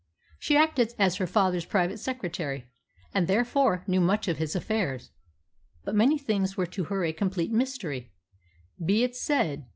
She acted as her father's private secretary, and therefore knew much of his affairs. But many things were to her a complete mystery, be it said.